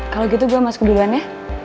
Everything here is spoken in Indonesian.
kalau gitu gue masuk duluan ya